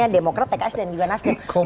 demokrasi dan juga nasdem